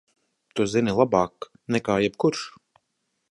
Tu zini labāk nekā jebkurš!